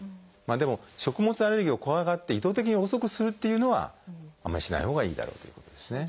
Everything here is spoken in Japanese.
でも食物アレルギーを怖がって意図的に遅くするっていうのはあんまりしないほうがいいだろうということですね。